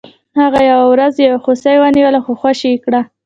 هغه یوه ورځ یو هوسۍ ونیوله خو خوشې یې کړه.